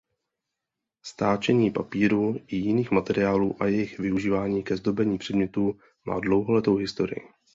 Stáčení papíru i jiných materiálů a jejich využívání ke zdobení předmětů má dlouholetou historii.